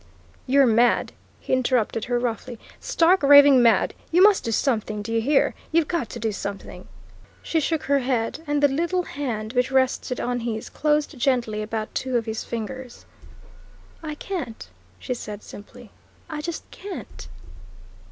"You're mad!" he interrupted her roughly "Stark, raving mad! You must do something, do you hear? You've got to do something." She shook her head, and the little hand which rested on his closed gently about two of his fingers. "I can't," she said simply. "I just can't."